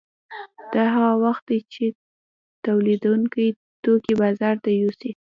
دا هغه وخت دی چې تولیدونکي توکي بازار ته یوسي